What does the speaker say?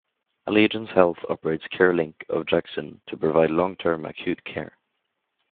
Allegiance Health operates CareLink of Jackson to provide long-term acute care.